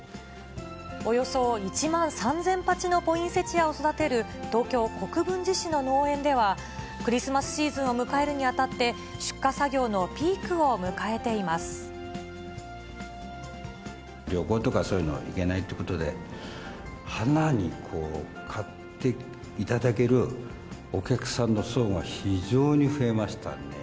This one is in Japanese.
およそ１万３０００鉢のポインセチアを育てる、東京・国分寺市の農園では、クリスマスシーズンを迎えるにあたって、出荷作業のピークを迎え旅行とか、そういうの行けないということで、花に、買っていただけるお客さんの層が非常に増えましたね。